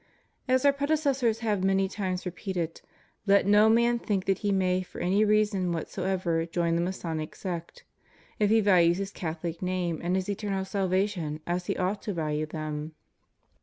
As Our predecessors have many times repeated, let no man think that he may for any reason whatsoever join the Masonic sect, if he values bis CathoUc name and his eternal salvation as he ought to value them.